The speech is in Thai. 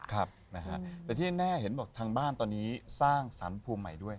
ครับนะฮะแต่ที่แน่เห็นบอกทางบ้านตอนนี้สร้างสรรค์ภูมิใหม่ด้วย